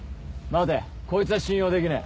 待てこいつは信用できねえ。